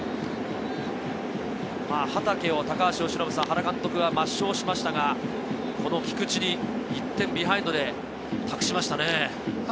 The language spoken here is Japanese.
畠を原監督は抹消しましたが、この菊地に１点ビハインドで託しましたね。